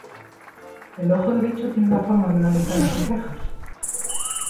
El ojo derecho tiene la forma de una ventana con rejas.